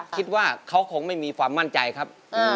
คิดว่าเขาคงไม่มีความมั่นใจครับ